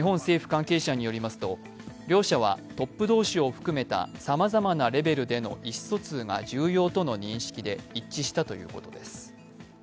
両者はトップ同士を含めたさまざまなレベルでの意思疎通が重要との認識で一致したということです。